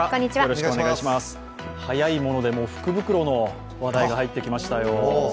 早いもので福袋の話題が入ってきましたよ。